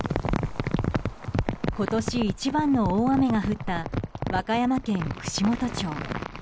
今年一番の大雨が降った和歌山県串本町。